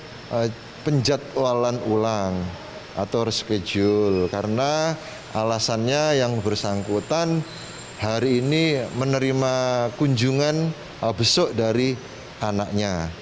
penyidik akan melakukan penjatuhan ulang atau reskijul karena alasannya yang bersangkutan hari ini menerima kunjungan besok dari anaknya